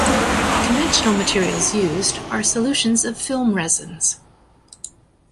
Conventional materials used are solutions of film resins.